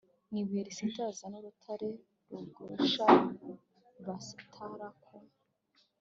ni ibuye risitaza n urutare rugusha basitara ku